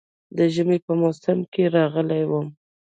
د ژمي په موسم کې راغلی وم.